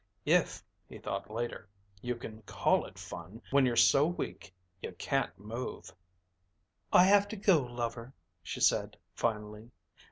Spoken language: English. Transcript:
If, he thought later, you can call it fun when you're so weak you can't move. "I have to go, lover," she said finally.